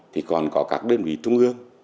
thì còn có các đơn vị trung ương